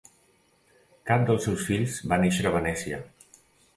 Cap dels seus fills va néixer a Venècia.